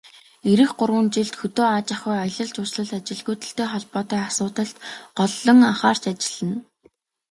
Ирэх гурван жилд хөдөө аж ахуй, аялал жуулчлал, ажилгүйдэлтэй холбоотой асуудалд голлон анхаарч ажиллана.